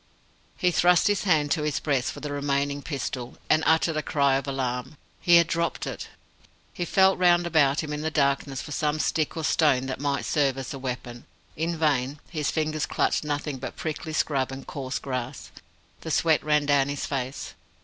He thrust his hand to his breast for the remaining pistol, and uttered a cry of alarm. He had dropped it. He felt round about him in the darkness for some stick or stone that might serve as a weapon. In vain. His fingers clutched nothing but prickly scrub and coarse grass. The sweat ran down his face.